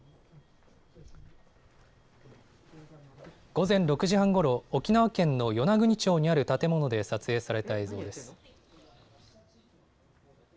午前６時半ごろ、沖縄県の与那国町にある建物で撮影された映像です。